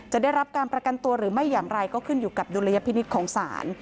ได้รับการประกันตัวหรือไม่อย่างไรก็ขึ้นอยู่กับดุลยพินิษฐ์ของศาล